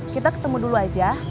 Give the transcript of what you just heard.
kita ketemu dulu aja